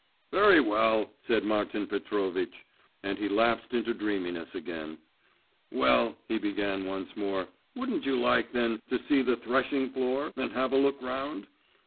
'Very well,' said Martin Petrovitch, and he lapsed into dreaminess again. 'Well,' he began once more, 'wouldn't you like, then, to see the threshing floor, and have a look round?